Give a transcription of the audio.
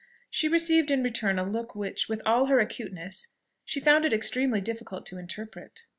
She received in return a look which, with all her acuteness, she found it extremely difficult to interpret.